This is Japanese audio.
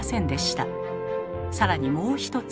更にもう一つ。